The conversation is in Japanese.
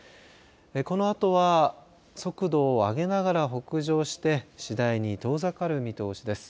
このあとは速度を上げながら北上して次第に遠ざかる見通しです。